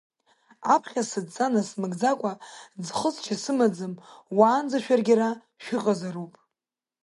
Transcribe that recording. Аԥхьа сыдҵа намыгӡакәа ӡхыҵшьа сымаӡам, уаанӡа шәаргьы ара шәыҟазароуп!